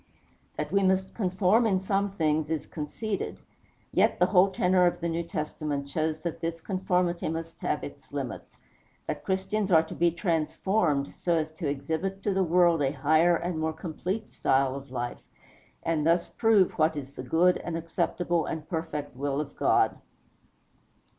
That we must conform in some things is conceded; yet the whole tenor of the New Testament shows that this conformity must have its limits that Christians are to be transformed, so as to exhibit to the world a higher and more complete style of life, and thus "prove what is the good, and acceptable, and perfect will of God."